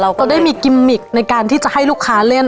ก็ได้มีกิมมิกในการที่จะให้ลูกค้าเล่น